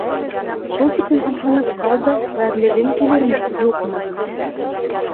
Шул тиклем ымһынып ҡал да, ғәрлегең килерме, юҡмы?